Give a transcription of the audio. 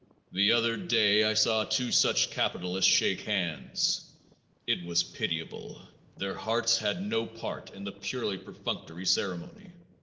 The other day I saw two such capitalists shake hands. It was pitiable. Their hearts had no part in the purely perfunctory ceremony.